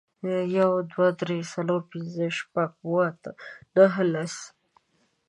یو، دوه، درې، څلور، پنځه، شپږ، اوه، اته، نهه، لس.